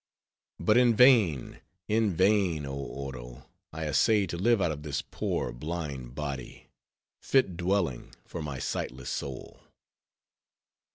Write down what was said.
But in vain, in vain, oh Oro! I essay to live out of this poor, blind body, fit dwelling for my sightless soul.